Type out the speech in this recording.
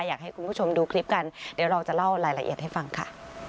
อยากให้คุณผู้ชมดูคลิปกันเดี๋ยวเราจะเล่ารายละเอียดให้ฟังค่ะ